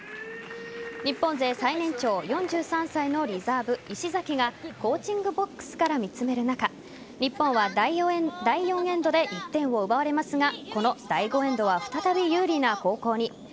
日本勢最年長、４３歳のリザーブ・石崎がコーチングボックスから見つめる中日本は第４エンドで１点を奪われますがこの第５エンドは再び有利な後攻に。